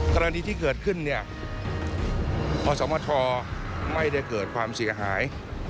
กรณีที่เกิดขึ้นเนี่ยอสมทไม่ได้เกิดความเสียหาย